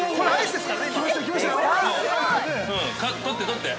◆取って取って。